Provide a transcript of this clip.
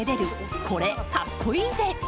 「これ、かっこイイぜ！」。